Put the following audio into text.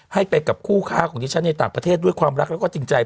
ให้ไปกับคู่ค้าของดิฉันในต่างประเทศด้วยความรักแล้วก็จริงใจ